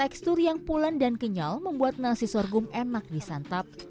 tekstur yang pulan dan kenyal membuat nasi sorghum enak disantap